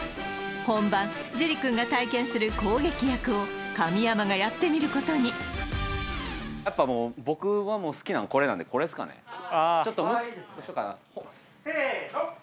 本番ジュリ君が体験する攻撃役を神山がやってみることにやっぱもう僕はもう好きなのこれなんでこれですかね・せの！